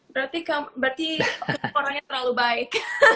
berarti orangnya terlalu baik